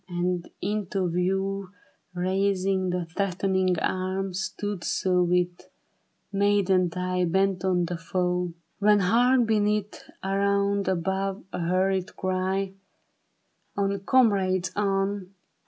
And into view Raising his threatening arm, stood so With maddened eye bent on the foe. When hark, beneath, around, above, A hurried cry, " On, comrades, on